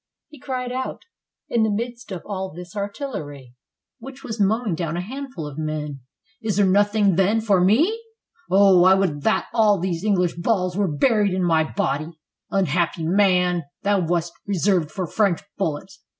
He cried out in the midst of all this artillery which was mowing down a handful of men : "Is there nothing, then, for me? Oh! I would that all these English balls were buried in my body !" Unhappy man! thou wast reserved for French bullets!